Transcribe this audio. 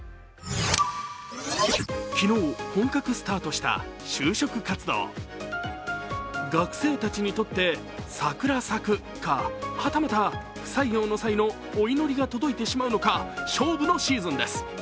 昨日、本格スタートした就職活動学生たちにとってサクラ咲くかはたまた、不採用の際のお祈りが届いてしまうのか勝負のシーズンです。